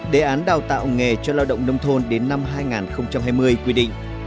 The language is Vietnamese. đề án đào tạo nghề cho lao động nông thôn đến năm hai nghìn hai mươi quy định